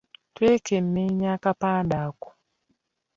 Twekenneenya akapande ako.